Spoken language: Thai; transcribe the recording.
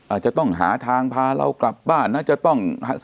อาจจะต้องหาทางพาเรากลับบ้านนะจะต้อง